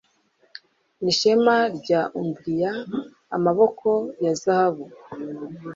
Nishema rya Umbrian amaboko ya zahabu